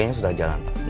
oh yaudah kalau gitu